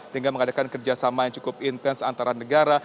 dengan mengadakan kerjasama yang cukup intens antara negara